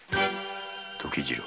「時次郎。